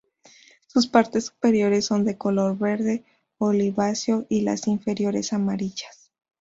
Sus partes superiores son de color verde oliváceo, y las inferiores amarillas.